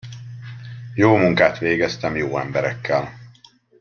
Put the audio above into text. Jó munkát végeztem jó emberekkel.